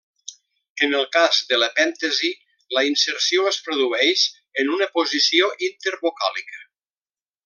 En el cas de l'epèntesi, la inserció es produeix en una posició intervocàlica.